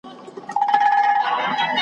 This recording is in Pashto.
زما یقین دی خدای ته نه دی د منلو .